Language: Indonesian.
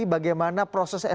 atau berikut ini daftar istri kami